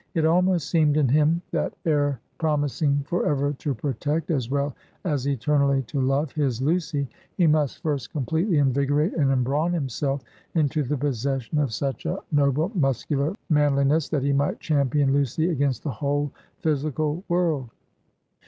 It almost seemed in him, that ere promising forever to protect, as well as eternally to love, his Lucy, he must first completely invigorate and embrawn himself into the possession of such a noble muscular manliness, that he might champion Lucy against the whole physical world.